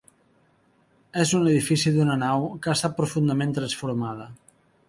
És un edifici d'una nau que ha estat profundament transformada.